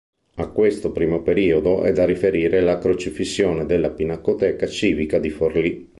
A questo primo periodo è da riferire la "Crocifissione" della Pinacoteca Civica di Forlì.